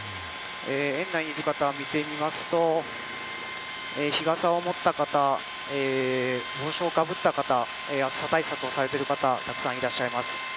園内にいる方を見てみますと日傘を持った方帽子をかぶった方暑さ対策をされている方たくさんいらっしゃいます。